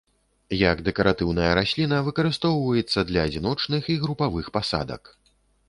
Як дэкаратыўная расліна выкарыстоўваецца для адзіночных і групавых пасадак.